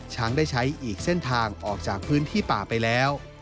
ช้างได้ใช้อีกเส้นทางออกจากพื้นที่ป่าไปแล้ว